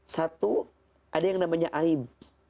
satu ada yang namanya aib